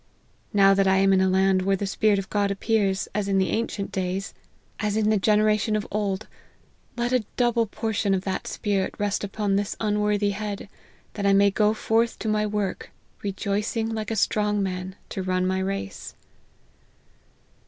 Now that I am in a land where the Spirit of God appears, as in the ancient clays, as LIFE OF HENRY MARTYN. 69 in ihe generation of old, let a double portion of that Spirit rest upon this unworthy head, that I may go forth to my work rejoicing like a strong man, to run my race.'